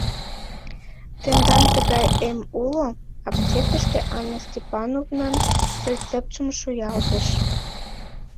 — Тендан тыгай эм уло? — аптекыште Анна Степановнан рецептшым шуялтыш.